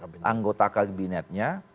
kemudian hubungan anggota kabinetnya